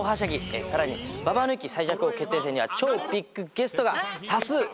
さらにババ抜き最弱王決定戦には超ビッグゲストが多数出演します。